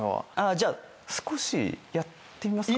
じゃあ少しやってみますか？